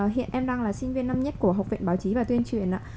hiện em đang là sinh viên năm nhất của học viện báo chí và tuyên truyền ạ